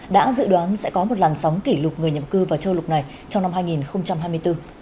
đã dự đoán sẽ có một làn sóng kỷ lục người nhậm cư vào châu lục này trong năm hai nghìn hai mươi bốn